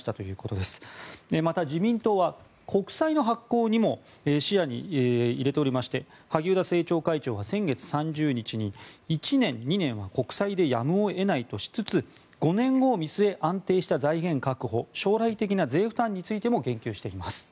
また、自民党は国債の発行も視野に入れておりまして萩生田政調会長は先月３０日に１年、２年は国債でやむを得ないとしつつ５年後を見据え安定した財源を確保将来的な税負担についても言及しています。